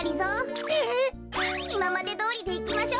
いままでどおりでいきましょ。